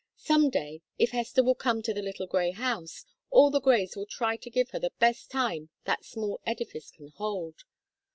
Some day, if Hester will come to the little grey house, all the Greys will try to give her the best time that small edifice can hold."